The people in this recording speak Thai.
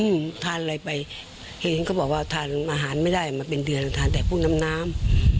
ทานอะไรไปเห็นเขาบอกว่าทานอาหารไม่ได้มาเป็นเดือนทานแต่ผู้น้ำน้ำ